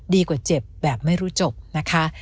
เจ็บแบบไม่รู้จบนะคะ